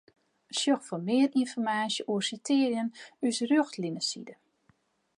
Sjoch foar mear ynformaasje oer sitearjen ús Rjochtlineside.